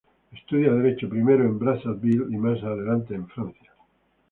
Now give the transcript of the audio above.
Estudia Derecho primero en Brazzaville y más adelante en Francia.